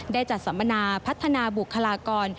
ได้จัดสัมมนาพัฒนาบุคลากร